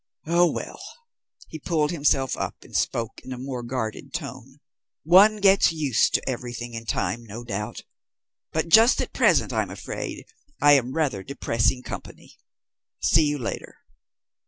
Oh well," he pulled himself up, and spoke in a more guarded tone, "one gets used to everything in time, no doubt, but just at present, I'm afraid, I am rather depressing company. See you later."